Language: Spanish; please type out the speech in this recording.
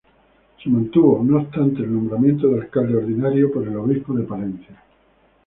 Se mantuvo, no obstante, el nombramiento del alcalde ordinario por el obispo de Palencia.